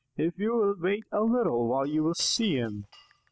If you will wait a little while you will see him.